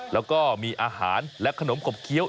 แล้วก็มีอาหารและขนมขบเคี้ยว